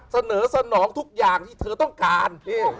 เสนอสนองทุกอย่างที่เธอต้องการ